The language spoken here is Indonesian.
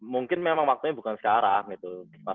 mungkin memang waktunya bukan sekarang gitu